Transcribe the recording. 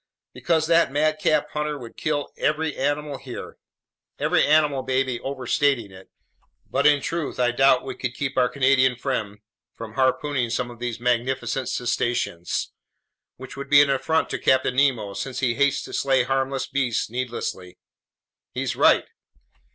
"Because that madcap hunter would kill every animal here." "Every animal may be overstating it, but in truth I doubt we could keep our Canadian friend from harpooning some of these magnificent cetaceans. Which would be an affront to Captain Nemo, since he hates to slay harmless beasts needlessly." "He's right."